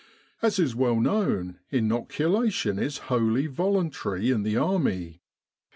As is well known, inoculation is wholly voluntary in the Army.